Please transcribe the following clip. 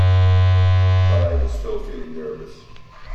But I was still feeling nervous.